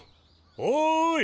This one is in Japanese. おい！